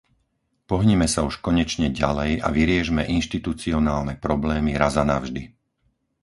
Pohnime sa už konečne ďalej a vyriešme inštitucionálne problémy raz a navždy.